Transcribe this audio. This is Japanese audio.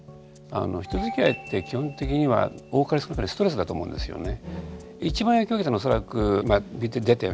人づきあいって基本的には多かれ少なかれストレスだと思うんですよね。